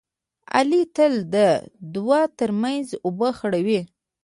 علي تل د دوو ترمنځ اوبه خړوي.